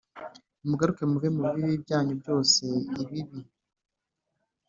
Nimugaruke muve mu bibi byanyu byose ibibi